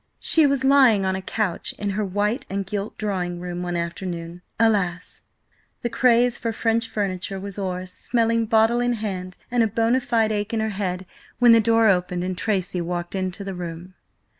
She was lying on a couch in her white and gilt drawing room one afternoon–alas! the craze for French furniture was o'er–smelling bottle in hand and a bona fide ache in her head, when the door opened and Tracy walked into the room.